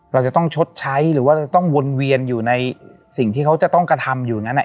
เราจะต้องชดใช้หรือว่าจะต้องวนเวียนอยู่ในสิ่งที่เขาจะต้องกระทำอยู่อย่างนั้น